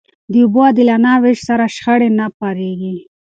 د اوبو عادلانه وېش سره، شخړې نه پارېږي.